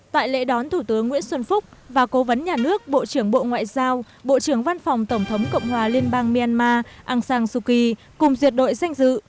tại lễ đón thủ tướng nguyễn xuân phúc và cố vấn nhà nước bộ trưởng bộ ngoại giao bộ trưởng văn phòng tổng thống cộng hòa liên bang myanmar aungsan suu kyi cùng duyệt đội danh dự